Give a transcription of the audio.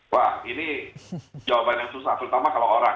wah ini jawaban yang susah terutama kalau orang